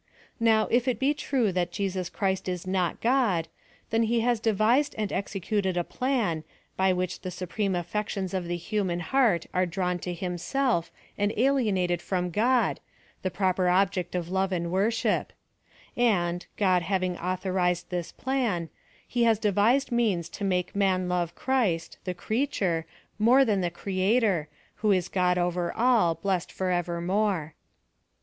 Now, if it bo true that Jesus Christ is not God, then he has de vised and executed a plan, by which the supreme affections of the human heart are drawn to himself, and alienated from God, the proper object of love and worship : and, God having authorized this plan, he has ievised means to make man love Christ, <he creature, more than the Creator, who is God over all, Messed for evermore.